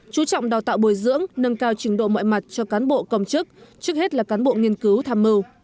chú trọng đào tạo bồi dưỡng nâng cao trình độ mọi mặt cho cán bộ công chức trước hết là cán bộ nghiên cứu tham mưu